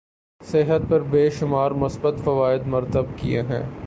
صحت پر بے شمار مثبت فوائد مرتب کیے ہیں